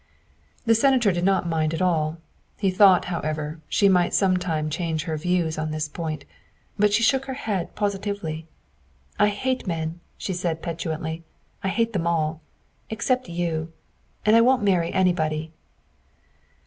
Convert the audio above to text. The Senator did not mind at all; he thought, how ever, she might sometime change her views on this point, but she shook her head positively. THE SECRETARY OF STATE 205 " I hate men!" she said petulantly; " I hate them all, except you, and I won 't marry anybody.